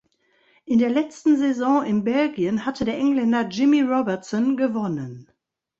In der letzten Saison in Belgien hatte der Engländer Jimmy Robertson gewonnen.